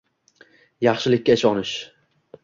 Yaxshilikka ishonish.